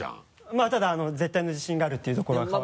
まぁただ絶対の自信があるっていうところは変わらない。